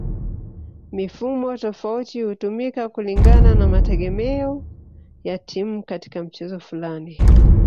Mifumo tofauti hutumika kulingana na mategemeo ya timu katika mchezo fulani